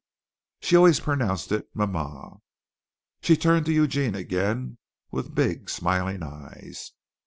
She always pronounced it "ma ma´." She turned to Eugene again with big smiling eyes.